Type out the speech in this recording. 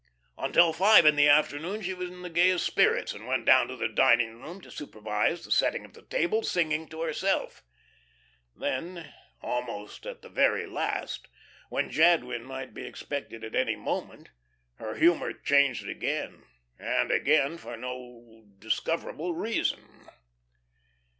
Until five in the afternoon she was in the gayest spirits, and went down to the dining room to supervise the setting of the table, singing to herself. Then, almost at the very last, when Jadwin might be expected at any moment, her humour changed again, and again, for no discoverable reason.